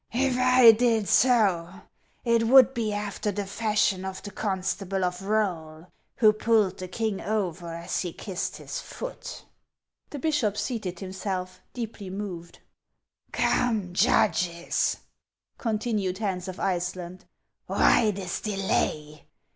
"If I did so, it would be after the fashion of the con stable of Koll, who pulled the king over as he kissed his foot." The bishop seated himself, deeply moved. " Come, judges," continued Hans of Iceland, " why this delay